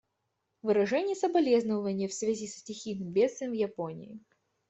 Выражение соболезнования в связи со стихийным бедствием в Японии.